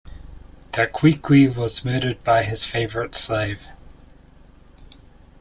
Daqiqi was murdered by his favorite slave.